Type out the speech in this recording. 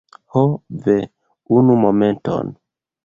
Ho, ve! Unu momenton.